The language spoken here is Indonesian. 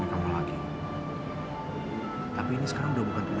kamu nggak marah kan res